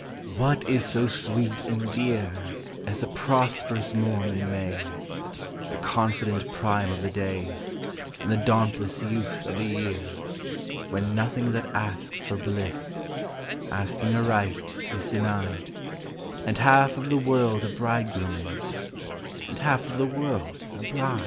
What is so sweet and dear As a prosperous morn in May, The confident prime of the day, And the dauntless youth of the year, When nothing that asks for bliss, Asking aright, is denied, And half of the world a bridegroom is, And half of the world a bride